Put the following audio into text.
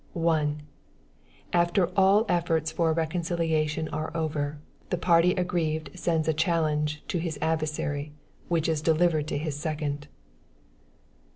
1. After all efforts for a reconciliation are over, the party aggrieved sends a challenge to his adversary, which is delivered to his second.